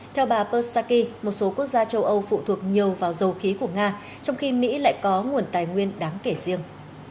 theo bà pussaki một số quốc gia châu âu phụ thuộc nhiều vào dầu khí của nga trong khi mỹ lại có nguồn tài nguyên đáng kể riêng